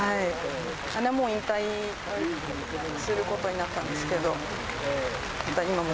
姉はもう引退することになったんですけれども。